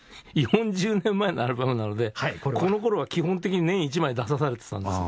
４０年前のアルバムなのでこの頃は基本的に年１枚出さされてたんです。